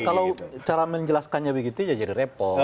kalau cara menjelaskannya begitu ya jadi repot